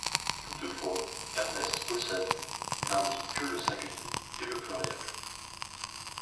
Toutefois Ernst Kausen n'indique que le singulier et le pluriel.